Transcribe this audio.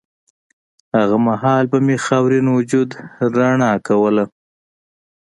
هغه مهال به مې خاورین وجود رڼا کوله